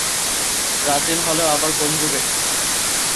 প্রাচীন হলেও আবার কোন যুগের?